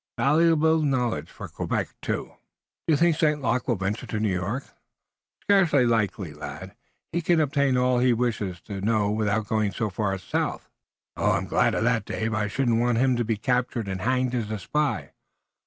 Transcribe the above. Valuable knowledge for Quebec, too." "Do you think St. Luc will venture to New York?" "Scarce likely, lad. He can obtain about all he wishes to know without going so far south." "I'm glad of that, Dave. I shouldn't want him to be captured and hanged as a spy."